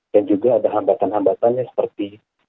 dan juga ada hambatan hambatan yang seperti